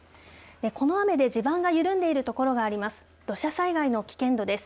この雨で地盤が緩んでいる所があります。